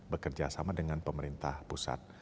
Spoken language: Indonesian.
bekerja sama dengan pemerintah pusat